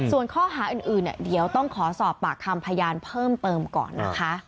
ส่วนข้อหาอื่นเดี๋ยวต้องขอสอบปากคำพยานเพิ่มเติมก่อนนะคะ